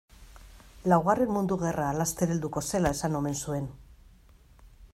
Laugarren mundu gerra laster helduko zela esan omen zuen.